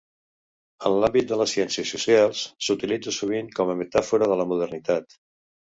En l'àmbit de les ciències socials s'utilitza sovint com a metàfora de la modernitat.